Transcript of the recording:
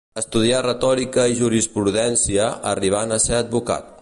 Estudià retòrica i jurisprudència, arribant a ser advocat.